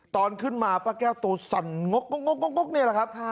ตอนขึ้นมาป้าแก้วตัวสั่นงกงกนี่แหละครับ